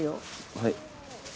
はい。